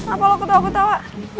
apa lu ketawa ketawa